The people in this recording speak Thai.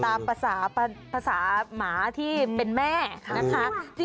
แต่ตามภาษาหมาที่เป็นแม่นะคะ